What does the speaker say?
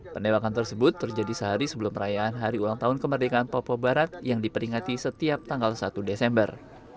penembakan tersebut terjadi sehari sebelum perayaan hari ulang tahun kemerdekaan papua barat yang diperingati setiap tanggal satu desember